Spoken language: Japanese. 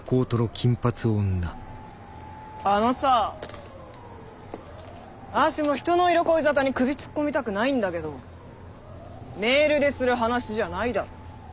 あのさ私も人の色恋沙汰に首突っ込みたくないんだけどメールでする話じゃないだろ。